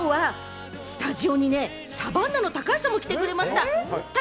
ちなみに今日はスタジオにね、サバンナの高橋さんも来てくれました！